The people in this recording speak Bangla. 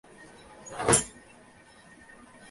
ক্রমে শিশুর মুখ নীল হইয়া আসিল।